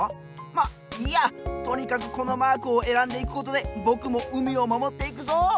とにかくこのマークをえらんでいくことでぼくも海をまもっていくぞ！